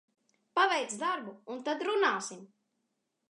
Paveic darbu un tad runāsim!